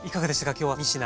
今日は３品。